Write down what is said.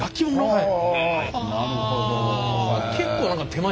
はい。